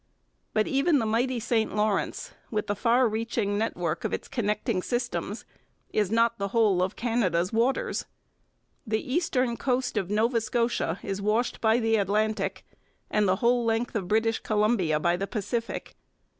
But even the mighty St Lawrence, with the far reaching network of its connecting systems, is not the whole of Canada's waters. The eastern coast of Nova Scotia is washed by the Atlantic, and the whole length of British Columbia by the Pacific.